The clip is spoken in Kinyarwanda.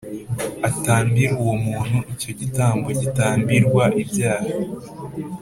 atambire uwo muntu icyo gitambo gitambirwa ibyaha